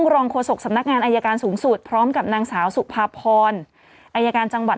รองโฆษกสำนักงานอายการสูงสุดพร้อมกับนางสาวสุภาพรอายการจังหวัด